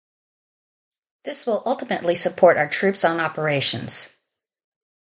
This will ultimately support our troops on operations.